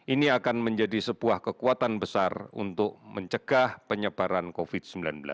ini akan menjadi sebuah kekuatan besar untuk mencegah penyebaran covid sembilan belas